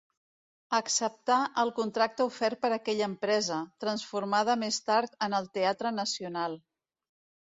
Acceptà el contracte ofert per aquella empresa, transformada més tard en el Teatre Nacional.